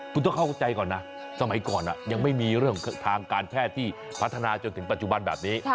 คุณต้องเข้าใจก่อนนะสมัยก่อนยังไม่มีเรื่องทางการแพทย์ที่พัฒนาจนถึงปัจจุบันแบบนี้